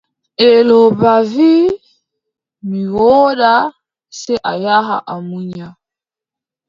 Ngeelooba wii : mi wooda, sey a yaha a munya.